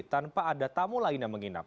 tanpa ada tamu lain yang menginap